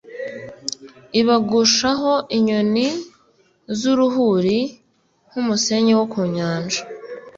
ibagushaho inyoni z'uruhuri, nk'umusenyi wo ku nyanja